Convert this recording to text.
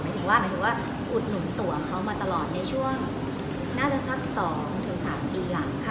ถึงว่าหมายถึงว่าอุดหนุนตัวเขามาตลอดในช่วงน่าจะสัก๒๓ปีหลังค่ะ